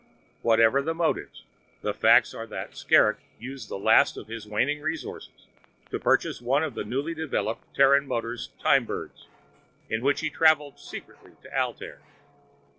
Whatever the motives, the facts are that Skrrgck used the last of his waning resources to purchase one of the newly developed Terran Motors' "Timebirds" in which he traveled secretly to Altair.